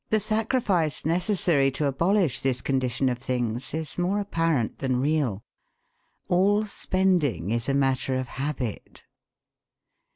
The sacrifice necessary to abolish this condition of things is more apparent than real. All spending is a matter of habit.